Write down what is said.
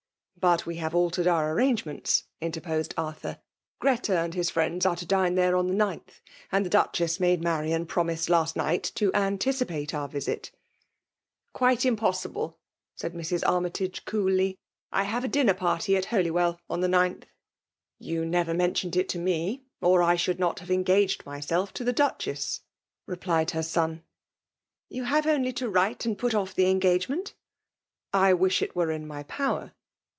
"But we have altered our arrangeiKkeats»*' interposed Arthur. <' Greta and his fii^nda MEMALB nOMlKATlOX; 153 freta.diBe th^re &ti the 9tli ; aiid the Duchess made Marian promise last night to' anticipate «» visit." ' <«^Q^a^ impossibly !*^ said Mrs. Annytagd coolly. *' I have a dinner party at Holywel) WtheOtli." V •« Yoo'never mentioned it to me ; or I should not tiave engaged myself to the Duchess, re«f plied her son. i You have only to write and put off the engagement/* '' I wish it were in my power.